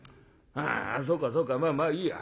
あそうかそうかまあまあいいや。